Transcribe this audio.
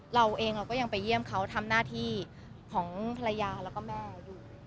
เราเองเราก็ยังไปเยี่ยมเขาทำหน้าที่ของภรรยาแล้วก็แม่อยู่